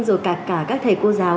rồi cả các thầy cô giáo